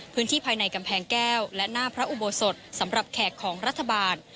พื้นที่ภายในกำแพงแก้วและหน้าพระอุโบสถสำหรับแขกของรัฐบาล